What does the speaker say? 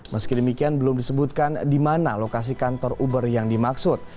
meski demikian belum disebutkan di mana lokasi kantor uber yang dimaksud